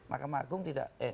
makamah agung tidak